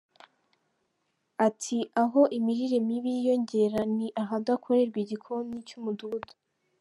Ati “Aho imirire mibi yiyongera ni ahadakorerwa igikoni cy’umudugudu.